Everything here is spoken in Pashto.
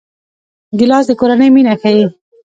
ګیلاس د کورنۍ مینه ښيي.